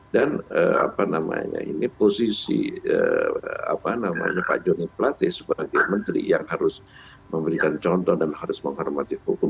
dan apa namanya ini posisi pak johnny pletih sebagai menteri yang harus memberikan contoh dan harus menghormati hukum